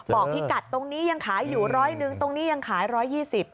พิกัดตรงนี้ยังขายอยู่ร้อยหนึ่งตรงนี้ยังขายร้อยยี่สิบ